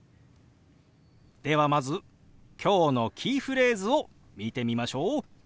ではまず今日のキーフレーズを見てみましょう。